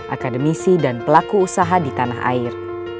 akademisi dan pelaku usaha di tanah air